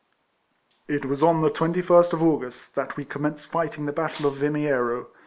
It was on the 21st of August, that we commenced fighing the battle of Vimiero.